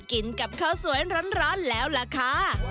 กินกับข้าวสวยร้อนแล้วล่ะค่ะ